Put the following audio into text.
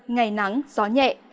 ngày nắng gió nhẹ